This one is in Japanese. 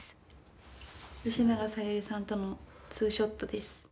吉永小百合さんとのツーショットです。